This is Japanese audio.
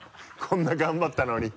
こんな頑張ったのに。